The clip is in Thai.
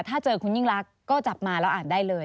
ถ้าเจอคุณยิ่งรักก็จับมาแล้วอ่านได้เลย